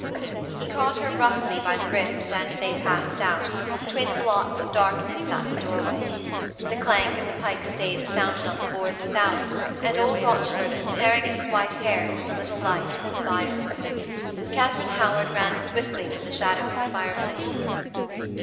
He caught her roughly by the wrist and they passed out, twin blots of darkness, at the doorway. The clank of the pike staves sounded on the boards without, and old Rochford was tearing at his white hairs in the little light from the fire. Katharine Howard ran swiftly from the shadow of the fireplace.